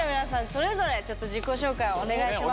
それぞれちょっと自己紹介をお願いします。